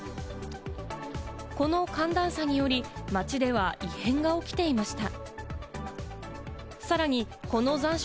この寒暖差により、街では異変が起きていました。